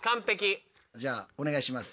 じゃあお願いします。